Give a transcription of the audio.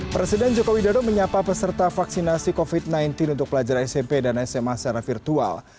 presiden jokowi dodo menyapa peserta vaksinasi covid sembilan belas untuk pelajar smp dan sma secara virtual